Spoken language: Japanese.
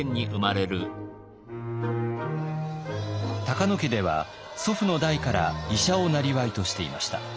高野家では祖父の代から医者をなりわいとしていました。